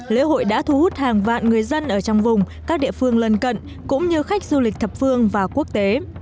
lễ hội đã thu hút hàng vạn người dân ở trong vùng các địa phương lân cận cũng như khách du lịch thập phương và quốc tế